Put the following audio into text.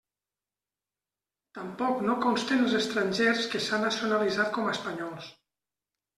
Tampoc no consten els estrangers que s'han nacionalitzat com a espanyols.